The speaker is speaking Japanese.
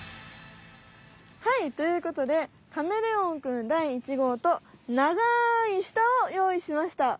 はいということでカメレオン君第１号と長い舌をよういしました！